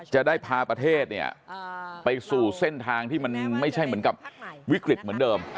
จะได้พาประเทศเนี่ยไปสู่เส้นทางที่มันไม่ใช่เหมือนกับวิกฤตเหมือนเดิม